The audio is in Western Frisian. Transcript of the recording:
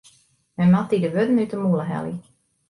Men moat dy de wurden út 'e mûle helje.